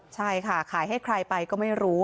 ใช่ค่ะขายให้ใครไปก็ไม่รู้